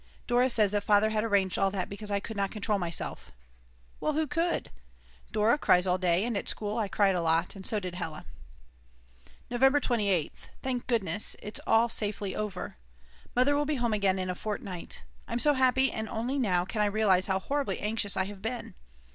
Dora says that Father had arranged all that because I could not control myself. Well, who could? Dora cries all day; and at school I cried a lot and so did Hella. November 28th. Thank goodness, it's all safely over, Mother will be home again in a fortnight. I'm so happy and only now can I realise how horribly anxious I have been.